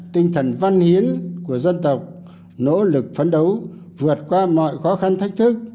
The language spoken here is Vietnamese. tinh thần văn hiến của dân tộc nỗ lực phấn đấu vượt qua mọi khó khăn thách thức